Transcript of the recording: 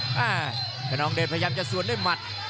เอ้าคณองเดชน์พยายามจะสวนด้วยหมัด